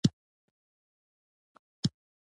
د میاشتنۍ ناروغۍ درد لپاره د رازیانې چای وڅښئ